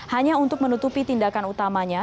hanya untuk menutupi tindakan utamanya